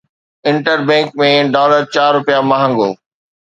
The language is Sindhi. انٽر بئنڪ ۾ ڊالر چار رپيا مهانگو